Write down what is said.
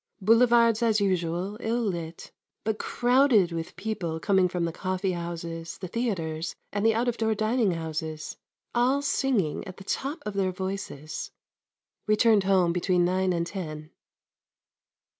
Boulevards as usual ill lit; but crowded with people coming from the coffee houses, the theatres and the out of door dining houses all singing at the top of their voices. Returned home between nine and ten.